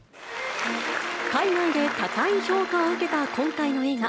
海外で高い評価を受けた今回の映画。